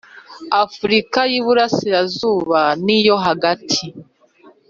Afurika y iburasirazuba niyo hagati